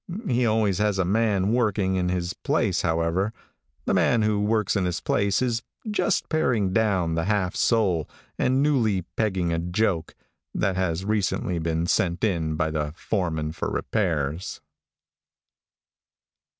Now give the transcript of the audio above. He always has a man working in his place, however. The man who works in his place is just paring down the half sole, and newly pegging a joke, that has recently been sent in by the foreman for repairs.